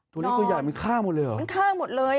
ตัวนี้ก็ใหญ่มันข้างหมดเลยเหรอมันข้างหมดเลย